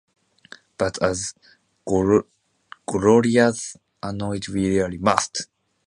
But at Gloria's annoyed "We really must!"